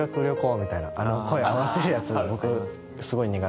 みたいなあの声合わせるやつ僕。